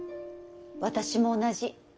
私も同じ。